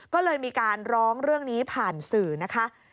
ก็เลยมีการร้องเรื่องนี้ผ่านสื่อนะคะ